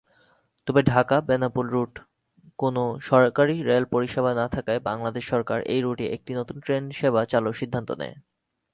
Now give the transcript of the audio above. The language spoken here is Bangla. তবে ঢাকা-বেনাপোল রুটে কোন সরাসরি রেল পরিষেবা না থাকায় বাংলাদেশ সরকার এই রুটে একটি নতুন ট্রেন সেবা চালুর সিদ্ধান্ত নেয়।